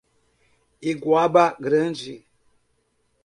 Iguaba Grande